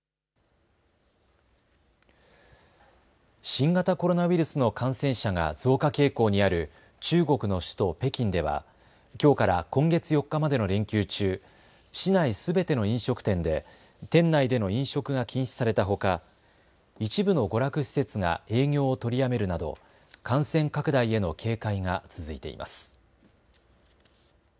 新型コロナウイルスの感染者が増加傾向にある中国の首都、北京ではきょうから今月４日までの連休中、市内すべての飲食店で店内での飲食が禁止されたほか一部の娯楽施設が営業を取りやめるなど感染拡大への警戒が続いています。